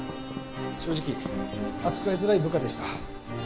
正直扱いづらい部下でした。